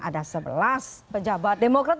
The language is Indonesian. ada sebelas pejabat demokrat